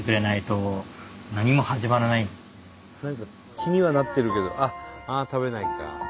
気にはなってるけどああ食べないか。